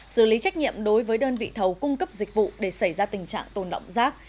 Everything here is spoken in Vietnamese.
xử lý trách nhiệm đối với đơn vị thầu cung cấp dịch vụ để xảy ra tình trạng tồn động rác